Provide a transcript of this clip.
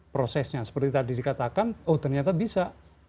prosesnya seperti tadi dikatakan oh ternyata bisa